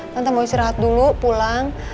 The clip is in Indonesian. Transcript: nanti mau istirahat dulu pulang